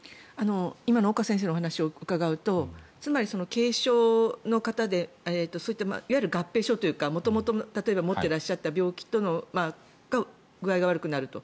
今の岡先生のお話を伺うとつまり、軽症の方でいわゆる合併症というか元々、例えば持っていた病気とか具合が悪くなると。